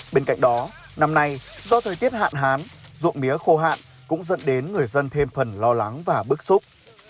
bên cạnh đó năm nay do thời tiết hạn hán ruộng mía khô hạn cũng dẫn đến người dân thêm phần lo lắng và bức xúc